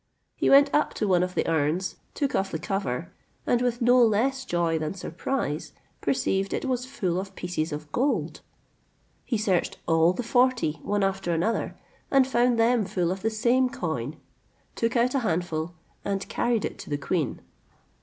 He went up to one of the urns, took off the cover, and with no less joy than surprise perceived it was full of pieces of gold. He searched all the forty, one after another, and found them full of the same coin, took out a handful, and carried it to the queen.